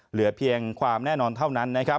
เหลือเพียงความแน่นอนเท่านั้นนะครับ